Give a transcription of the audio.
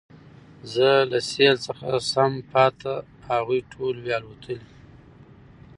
زه له سېل څخه سم پاته هغوی ټول وي الوتلي